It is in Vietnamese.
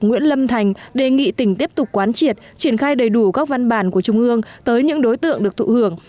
nguyễn lâm thành đề nghị tỉnh tiếp tục quán triệt triển khai đầy đủ các văn bản của trung ương tới những đối tượng được thụ hưởng